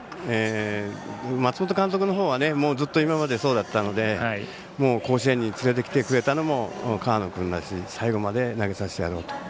松本監督はずっと今までそうだったので甲子園に連れてきてくれたのも河野君だし最後まで投げさせてやろうと。